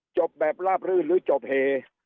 จบแบบลาบรื่นหรือจบเฮ